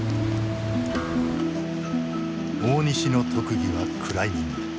大西の特技はクライミング。